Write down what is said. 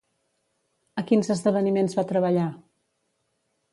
A quins esdeveniments va treballar?